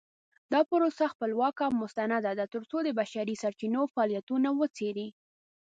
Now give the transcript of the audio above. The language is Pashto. دا پروسه خپلواکه او مستنده ده ترڅو د بشري سرچینو فعالیتونه وڅیړي.